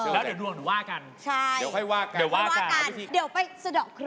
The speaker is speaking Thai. แล้วเดี๋ยวดวงหนูว่ากัน